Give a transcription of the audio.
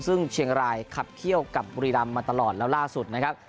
ซึ่งเชียงรายขับเขี้ยวกับบุรีรำมาตลอดแล้วล่าสุดนะครับ